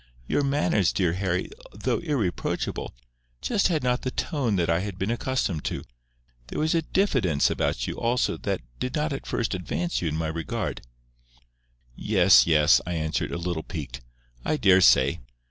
Your manners, dear Harry, though irreproachable, just had not the tone that I had been accustomed to. There was a diffidence about you also that did not at first advance you in my regard." "Yes, yes," I answered, a little piqued, "I dare say.